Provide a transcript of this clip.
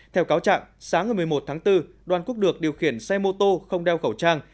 theo cáo trạng sáng ngày một mươi một tháng bốn đoàn quốc được điều khiển xe mô tô không đeo khẩu trang